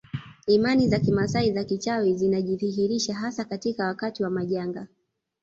Imani za kimaasai za kichawi zinajidhihirisha hasa katika wakati wa majanga